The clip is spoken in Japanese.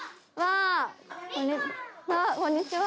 こんにちは。